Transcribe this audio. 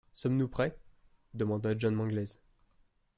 Sommes-nous prêts? demanda John Mangles.